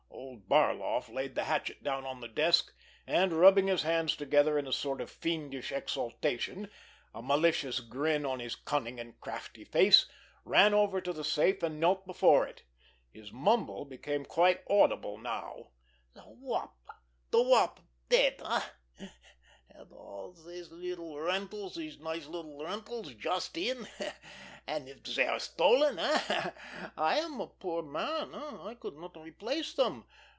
Old Barloff laid the hatchet down on the desk, and, rubbing his hands together in a sort of fiendish exaltation, a malicious grin on his cunning and crafty face, ran over to the safe and knelt before it. His mumble became quite audible now: "The Wop! The Wop! Dead—eh? And all these little rentals, these nice little rentals, just in! And. if they are stolen—eh? I am a poor man—eh? I could not replace them.